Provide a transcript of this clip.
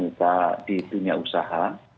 kita di dunia usaha